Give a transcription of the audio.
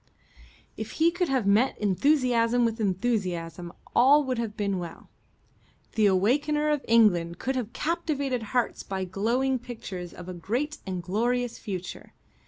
If he could have met enthusiasm with enthusiasm, all would have been well. The awakener of England could have captivated hearts by glowing pictures of a great and glorious future.